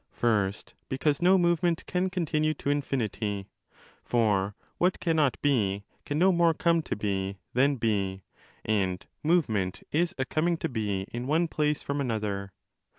First, because no movement can continue to infinity. For what cannot be can no more come to be than be, and movement is a coming to be in one place from another.